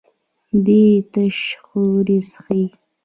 دی تش خوري څښي.